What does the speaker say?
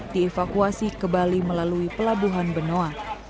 dievakuasi ke bali melalui pelabuhan benoa